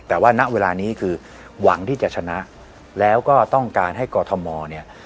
แต่ว่าณเวลานี้คือหวังที่จะชนะแล้วก็ต้องการให้กรทมเนี่ย